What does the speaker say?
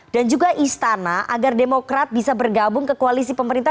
dan juga istana agar demokrat bisa bergabung ke koalisi pemerintah